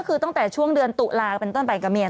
ก็คือตั้งแต่ช่วงเดือนตุลาเป็นต้นไปกับเมีย